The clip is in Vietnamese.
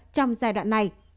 trong giai đoạn này